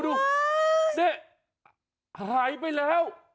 เหลือหายไปแล้ว